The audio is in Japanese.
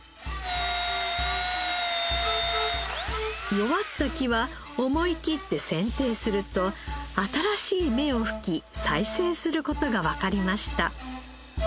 弱った木は思い切って剪定すると新しい芽を吹き再生する事がわかりました。